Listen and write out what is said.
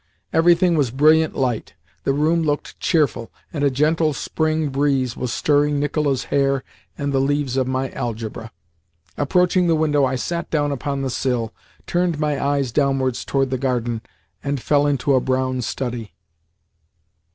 Everything was in brilliant light, the room looked cheerful, and a gentle spring breeze was stirring Nicola's hair and the leaves of my "Algebra." Approaching the window, I sat down upon the sill, turned my eyes downwards towards the garden, and fell into a brown study.